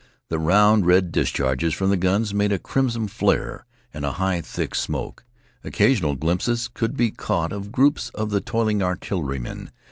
The round red discharges from the guns made a crimson flare and a high, thick smoke. Occasional glimpses could be caught of groups of the toiling artillerymen.